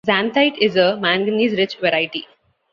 "Xanthite" is a manganese rich variety.